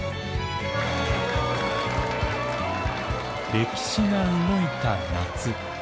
歴史が動いた夏。